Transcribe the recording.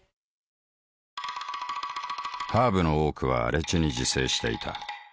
ハーブの多くは荒地に自生していた。